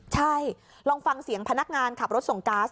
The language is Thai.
ใช่ลองฟังเสียงพนักงานขับรถส่งก๊าซ